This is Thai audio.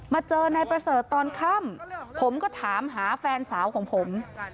เจอนายประเสริฐตอนค่ำผมก็ถามหาแฟนสาวของผม